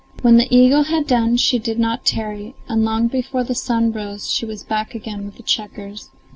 When the eagle had done she did not tarry, and long before the sun rose she was back again with the checkers.